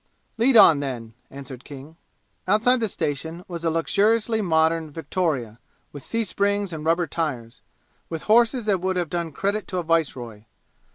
"Lead on, then," answered King. Outside the station was a luxuriously modern victoria, with C springs and rubber tires, with horses that would have done credit to a viceroy.